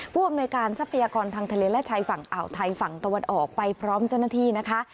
ผู้อำนวยการทรัพยากรทางทะเลและชายฝั่งอ่าวไทยฝั่งตะวันออกไปพร้อมเจ้าหน้าที่นะคะ